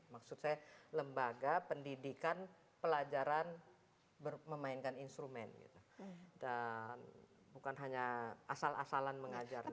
maksud saya lembaga pendidikan pelajaran memainkan instrumen dan bukan hanya asal asalan mengajar